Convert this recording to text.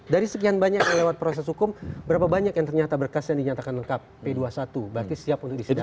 dari sekian banyak yang lewat proses hukum berapa banyak yang ternyata berkas yang dinyatakan lengkap p dua puluh satu berarti siap untuk disidangkan